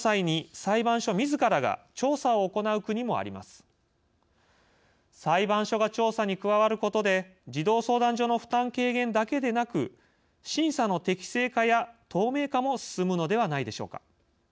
裁判所が調査に加わることで児童相談所の負担軽減だけでなく審査の適正化や透明化も進むのではないでしょうか。